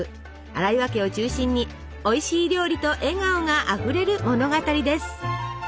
荒岩家を中心においしい料理と笑顔があふれる物語です。